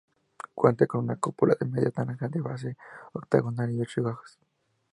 Cuenta con una cúpula de media naranja de base octagonal y ocho gajos.